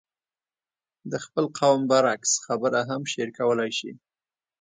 د خپل قوم برعکس خبره هم شعر کولای شي.